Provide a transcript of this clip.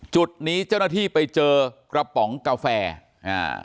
จุดนี้เจ้าหน้าที่ไปเจอกระป๋องกาแฟอ่า